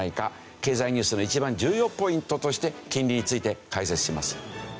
経済ニュースの一番重要ポイントとして金利について解説します。